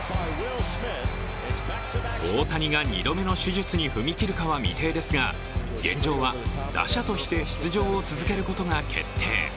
大谷が２度目の手術に踏み切るかは未定ですが現状は打者として出場を続けることが決定。